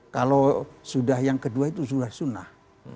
kalau sudah yang kedua itu sudah sunnah